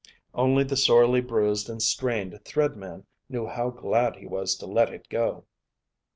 Only the sorely bruised and strained Thread Man knew how glad he was to let it go.